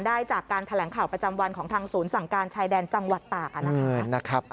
ได้จากการแถลงข่าวประจำวันของทางศูนย์สั่งการชายแดนจังหวัดตากนะคะ